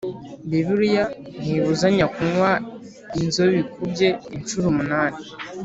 Bibiliya ntibuzanya kunywa inzobikubye incuro umunani